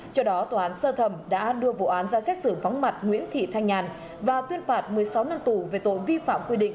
trước đó tòa án sơ thẩm đã đưa vụ án ra xét xử vắng mặt nguyễn thị thanh nhàn và tuyên phạt một mươi sáu năm tù về tội vi phạm quy định